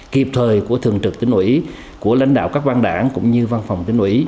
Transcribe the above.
kịp thời của thường trực tỉnh ủy của lãnh đạo các quan đảng cũng như văn phòng tỉnh ủy